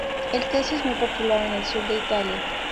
El queso es muy popular en el sur de Italia.